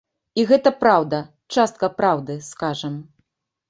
І гэта праўда, частка праўды, скажам.